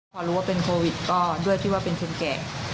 พอรู้ว่าเป็นโควิดก็ด้วยที่ว่าเป็นคนแก่